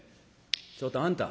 「ちょっとあんた。